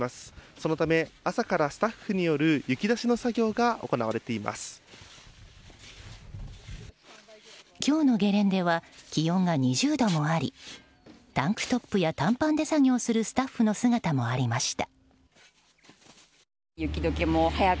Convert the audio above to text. そのため、朝からスタッフによる雪出しの作業が今日のゲレンデは気温が２０度もありタンクトップや短パンで作業するスタッフの姿もありました。